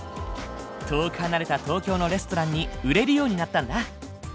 遠く離れた東京のレストランに売れるようになったんだ。